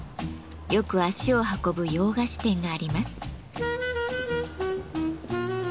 よく足を運ぶ洋菓子店があります。